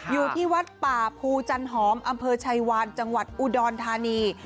อยู่ที่วัดป่าภูจันหอมอำเภอชัยวานจังหวัดอุดรธานี